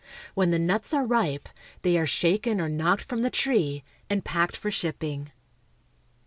When the nuts are ripe, they are shaken or knocked from the tree, and packed for shipping.